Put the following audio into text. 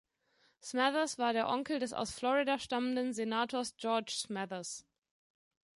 Smathers war der Onkel des aus Florida stammenden Senators George Smathers.